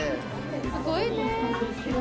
すごいね。